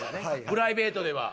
プライベートでは。